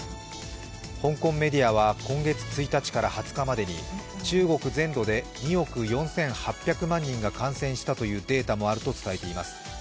香港メディアは今月１日から２０日までに中国全土で２億４８００万人が感染したというデータもあると伝えています。